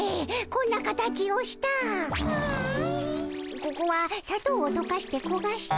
ここはさとうをとかしてこがした。